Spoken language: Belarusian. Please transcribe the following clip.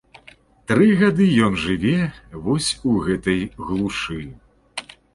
Тры гады ён жыве вось у гэтай глушы.